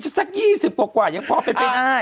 ถ้า๑๗ไม่สัก๒๐กว่ายังพอเป็นแต่นาน